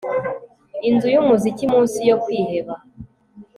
inzu yumuziki munsi yo kwiheba